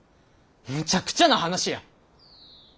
むちゃくちゃな話や。